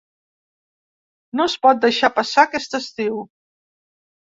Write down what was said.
No es pot deixar passar aquest estiu.